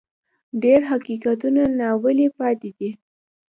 ډېر حقیقتونه ناویلي پاتې دي.